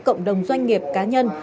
cộng đồng doanh nghiệp cá nhân